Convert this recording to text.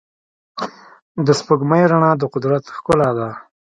د سپوږمۍ رڼا د قدرت ښکلا ده.